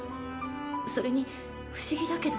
それに不思議だけど。